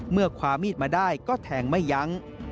เมื่อคว้ามีดมาได้ก็แทงไม่ยั้ง